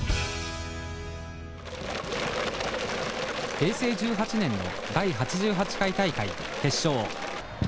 平成１８年の第８８回大会決勝。